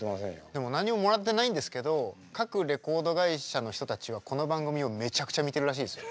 でも何ももらってないんですけど各レコード会社の人たちはこの番組をめちゃくちゃ見てるらしいですよ。